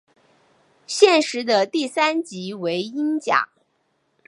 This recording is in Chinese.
现时的第三级为英甲。